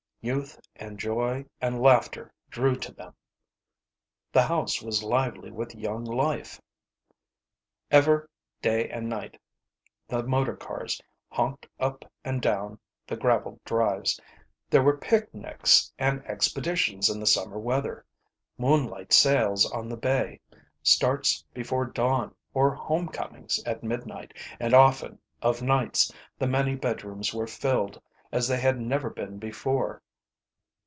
Youth and joy and laughter drew to them. The house was lively with young life. Ever, day and night, the motor cars honked up and down the gravelled drives. There were picnics and expeditions in the summer weather, moonlight sails on the bay, starts before dawn or home comings at midnight, and often, of nights, the many bedrooms were filled as they had never been before.